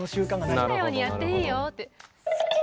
「好きなようにやっていいよ」って。